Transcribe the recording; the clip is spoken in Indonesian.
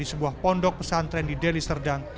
di sebuah pondok pesantren di deli serdang